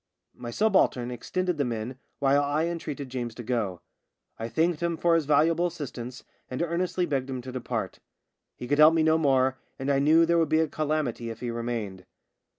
My subaltern extended the men while I entreated James to go. I thanked him for his valuable assistance and earnestly begged him to depart. He could help me no more, and I knew there would be a calamity if he remained.